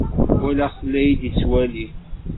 Walaɣ-t la iyi-d-yettwali.